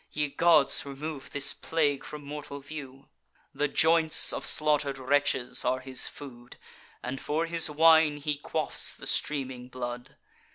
Ye gods, remove this plague from mortal view! The joints of slaughter'd wretches are his food; And for his wine he quaffs the streaming blood.